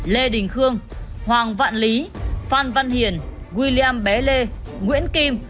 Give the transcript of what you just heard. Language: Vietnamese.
lê đình khương hoàng vạn lý phan văn hiền wiliam bé lê nguyễn kim